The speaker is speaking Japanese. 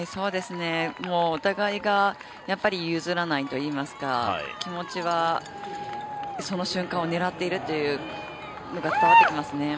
お互いが譲らないといいますか気持ちはその瞬間を狙っているというのが伝わってきますね。